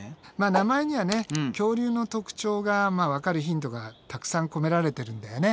名前にはね恐竜の特徴がわかるヒントがたくさん込められてるんだよね。